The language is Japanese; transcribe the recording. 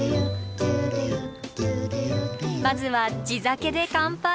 まずは地酒で乾杯。